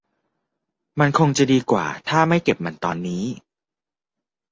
มันคงจะดีกว่าถ้าไม่เก็บมันตอนนี้